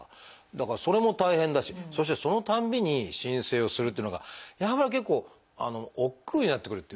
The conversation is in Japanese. だからそれも大変だしそしてそのたんびに申請をするっていうのがやっぱり結構おっくうになってくるっていうか。